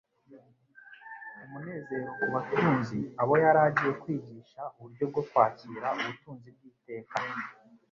Umunezero ku batunzi abo yari agiye kwigisha uburyo bwo kwakira ubutunzi bw'iteka.